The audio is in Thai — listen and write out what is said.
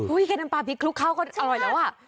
แค่น้ำปลาพริกคลุกเข้าก็อร่อยแล้วอ่ะ